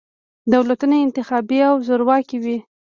دولتونه انتخابي او زورواکي وي.